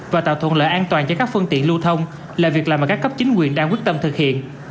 và tạo thuận lợi an toàn cho các phương tiện lưu thông là việc làm mà các cấp chính quyền đang quyết tâm thực hiện